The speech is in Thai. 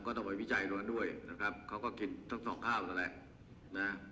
ก็ต้องไปวิจัยตรงนั้นด้วยนะครับเขาก็คิดทั้งสองข้างนั่นแหละนะ